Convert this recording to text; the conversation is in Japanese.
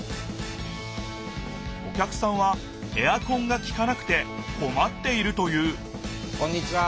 お客さんはエアコンがきかなくてこまっているというこんにちは！